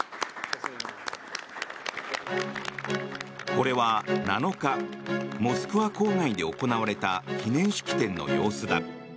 これは７日モスクワ郊外で行われた記念式典の様子だ。